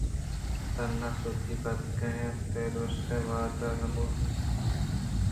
تنا سُدّی ءَ پاد نیتک داں درٛستیں واد آپ نہ بُوت ءُ نہ شُتاں